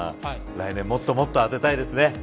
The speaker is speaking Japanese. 来年もっともっと当てたいですね。